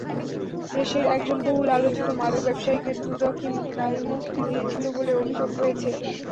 দেশের একজন বহুল আলোচিত মাদক ব্যবসায়ীকে দুদকই দায়মুক্তি দিয়েছিল বলে অভিযোগ রয়েছে।